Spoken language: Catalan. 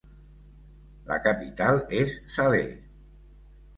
La capital és Salé.